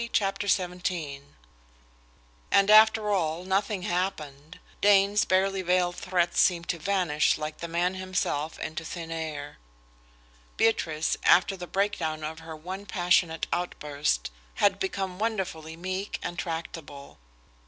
CHAPTER XVII And, after all, nothing happened. Dane's barely veiled threats seemed to vanish like the man himself into thin air. Beatrice, after the breakdown of her one passionate outburst, had become wonderfully meek and tractable.